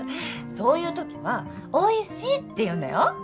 そういうときはおいしいって言うんだよ。